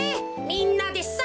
みんなでさ！